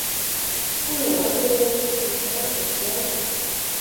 Унала толна, йӱна-кочна